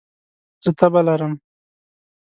زه تبه لرم